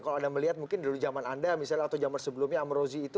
kalau anda melihat mungkin dulu zaman anda misalnya atau zaman sebelumnya amrozi itu